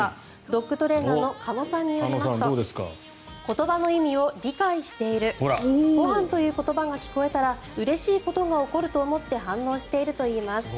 ドッグトレーナーの鹿野さんによると言葉の意味を理解しているご飯という言葉が聞こえたらうれしいことが起こると思って反応しているといいます。